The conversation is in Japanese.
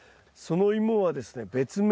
そのイモはですね